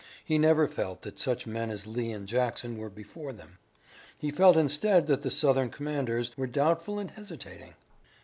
He never felt that such men as Lee and Jackson were before them. He felt instead that the Southern commanders were doubtful and hesitating.